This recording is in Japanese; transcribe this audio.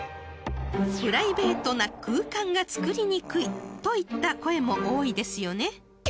［プライベートな空間がつくりにくいといった声も多いですよね］